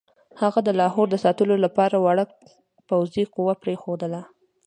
هغه د لاهور د ساتلو لپاره وړه پوځي قوه پرېښودله.